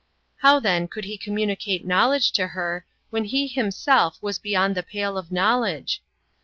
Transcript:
How then could He communi cate knowledge to her, when He Himself was beyond the pale of knowledge